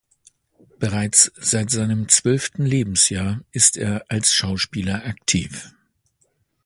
Bereits seit seinem zwölften Lebensjahr ist er als Schauspieler aktiv.